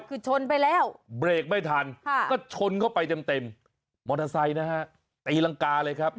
คือชนไปแล้วเบรกไม่ทันก็ชนเข้าไปเต็มเต็มมอเตอร์ไซค์นะฮะตีรังกาเลยครับ